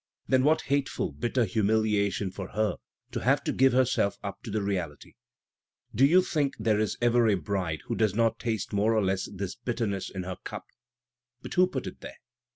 Then what hateful, bitter humiliation for her, to have to give herself up to the reality ! Do you think there is ever a bride who does not taste more or less this bitterness in her cup? But who put it there?